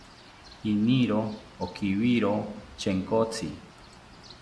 Iniro okiwiro Chenkotzi